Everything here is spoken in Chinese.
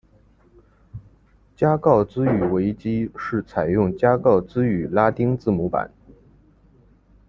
加告兹语维基是采用加告兹语拉丁字母版。